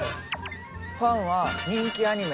ファンは人気アニメ